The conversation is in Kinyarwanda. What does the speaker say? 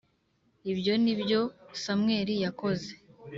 Ibyo ni byo Samweli yakoze